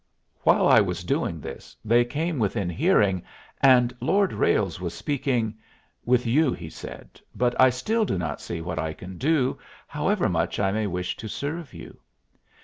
While I was doing this, they came within hearing, and Lord Ralles was speaking. " with you," he said. "But I still do not see what I can do, however much I may wish to serve you."